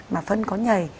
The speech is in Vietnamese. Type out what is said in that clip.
mà phân có nhầy